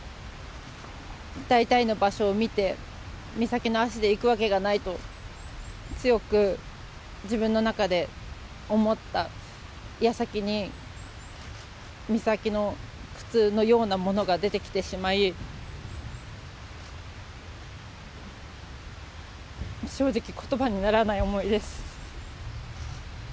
大体の場所を見て、美咲の足で行くわけがないと強く自分の中で思ったやさきに、美咲の靴のようなものが出てきてしまい、正直、ことばにならない思いです。